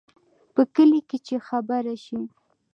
په کلي کې چې خبره شي،